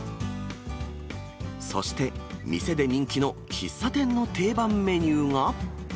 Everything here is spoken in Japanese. そして店で人気の喫茶店の定番メニューが。